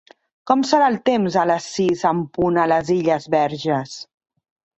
Com serà el temps a les sis en punt a les Illes Verges?